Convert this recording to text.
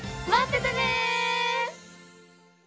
待っててね！